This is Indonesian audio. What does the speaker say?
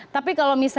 tapi kalau misalnya